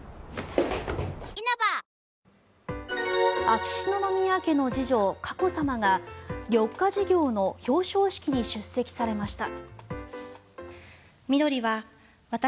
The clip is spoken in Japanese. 秋篠宮家の次女・佳子さまが緑化事業の表彰式に出席されました。